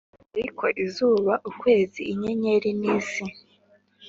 ariko izuba, ukwezi, inyenyeri n’isi